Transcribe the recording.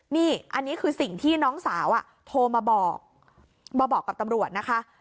นี่อันนี้คือสิ่งที่น้องสาวโทรมาบอกมาบอกกับตำรวจนะคะ